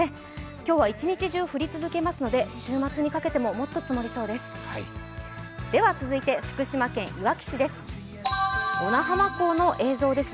今日は１日中降り続けますので週末にかけても、もっと積もりそうです。